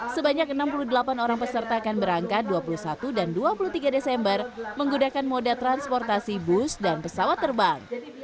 sebanyak enam puluh delapan orang peserta akan berangkat dua puluh satu dan dua puluh tiga desember menggunakan moda transportasi bus dan pesawat terbang